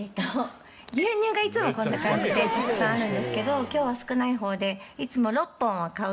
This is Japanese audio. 牛乳がいつもこんな感じでたくさんあるんですけど今日は少ない方でいつも６本は買うようにしています。